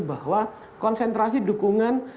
bahwa konsentrasi dukungan